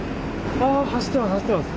ああ、走ってます、走ってます。